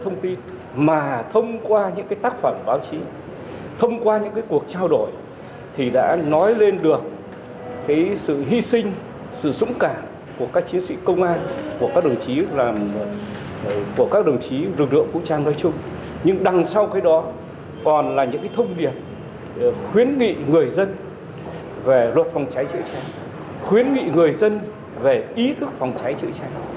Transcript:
nhưng đằng sau cái đó còn là những thông điệp khuyến nghị người dân về luật phòng cháy triệt cháy khuyến nghị người dân về ý thức phòng cháy triệt cháy